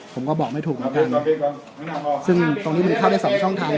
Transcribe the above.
ผมก็บอกไม่ถูกนะคุณซึ่งตรงนี้มันเข้าได้สองช่องทาง